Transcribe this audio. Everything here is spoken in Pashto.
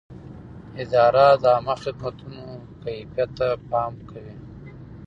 اداره د عامه خدمت کیفیت ته پام کوي.